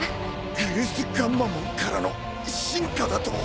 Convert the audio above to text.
グルスガンマモンからの進化だと！